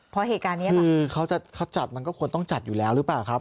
เพราะเหตุการณ์นี้ค่ะคือเขาจะเขาจัดมันก็ควรต้องจัดอยู่แล้วหรือเปล่าครับ